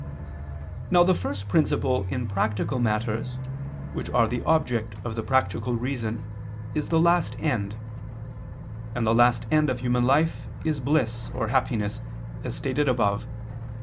Now the first principle in practical matters, which are the object of the practical reason, is the last end: and the last end of human life is bliss or happiness, as stated above (Q.